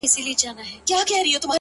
زما خوبـونو پــه واوښـتـل ـ